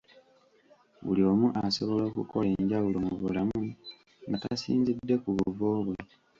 Buli omu asobola okukola enjawulo mu bulamu nga tasinzidde ku buvo bwe.